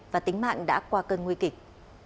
và tính mạng đã qua cơn nguy kịch